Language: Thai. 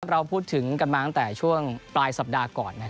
เราพูดถึงกันมาตั้งแต่ช่วงปลายสัปดาห์ก่อน